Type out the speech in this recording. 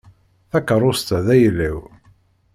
Takeṛṛust-a d ayla-w.